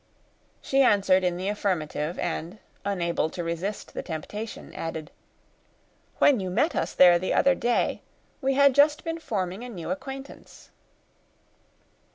She answered in the affirmative; and, unable to resist the temptation, added, "When you met us there the other day, we had just been forming a new acquaintance."